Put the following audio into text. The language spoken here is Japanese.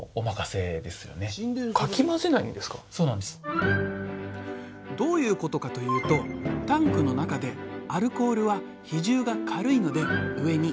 あとはどういうことかというとタンクの中でアルコールは比重が軽いので上に。